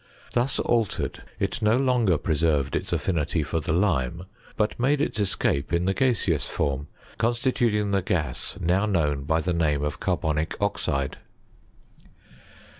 Thus altered, it no longer preserved its affinity for the lime, but made its escape in the gaseous form, constituting the gas now known by the name of carbonic oxide.